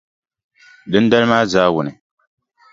Dindali maa zaawuni,